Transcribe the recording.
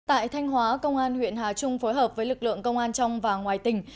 tại thanh hóa công an huyện hà trung phối hợp với lực lượng công an trong và ngoài tỉnh